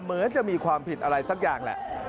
เหมือนจะมีความผิดอะไรสักอย่างแหละ